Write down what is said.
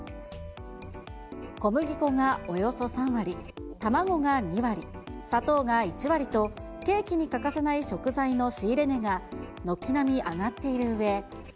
小麦粉がおよそ３割、卵が２割、砂糖が１割と、ケーキに欠かせない食材の仕入れ値が軒並み上がっているうえ。